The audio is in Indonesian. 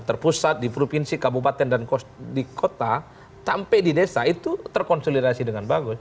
terpusat di provinsi kabupaten dan di kota sampai di desa itu terkonsolidasi dengan bagus